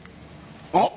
あっ！